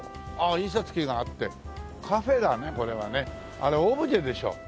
あれオブジェでしょ。